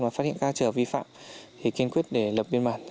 và phát hiện các trở vi phạm thì kiên quyết để lập biên bản